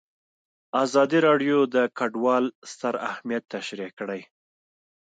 ازادي راډیو د کډوال ستر اهميت تشریح کړی.